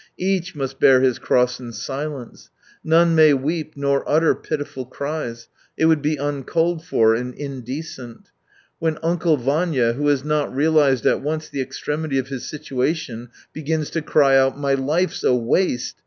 Each must bear his cross in silence. None may weep nor utter pitiful cries — it would be uncalled for and indecent. When Uncle Vanya, who has not realised at once the extremity of his situation, begins to cry out :" My life's a waste